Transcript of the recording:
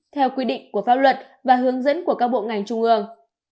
theo quy định của pháp luật và hướng dẫn của các bộ ngành trung ương